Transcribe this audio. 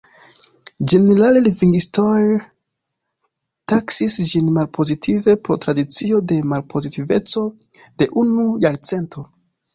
Ĝenerale lingvistoj taksis ĝin malpozitive pro tradicio de malpozitiveco de unu jarcento.